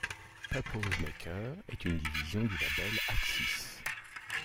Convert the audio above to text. Pupose Maker est une division du label Axis.